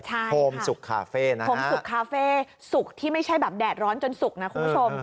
ใช่โฮมสุกคาเฟ่นะโฮมสุกคาเฟ่สุกที่ไม่ใช่แบบแดดร้อนจนสุกนะคุณผู้ชม